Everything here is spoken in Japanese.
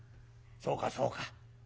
そうかそうか。